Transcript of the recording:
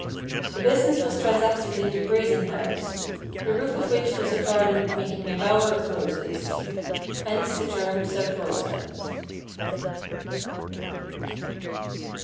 The business was transacted in the "Brazen House," the roof of which was a garden making a bower of roses. Hence the term Sub Rosa.